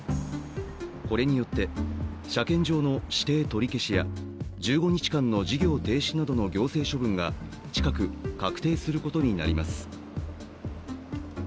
これによって、車検場の指定取り消しや１５日間の事業停止などの行政処分が近く確定することになります。